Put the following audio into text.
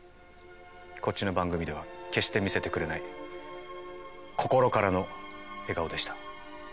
こっちの番組では決して見せてくれない心からの笑顔でした。